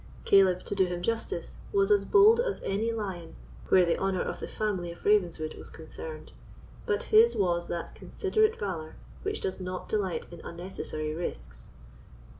Caleb, to do him justice, was as bold as any lion where the honour of the family of Ravenswood was concerned; but his was that considerate valour which does not delight in unnecessary risks.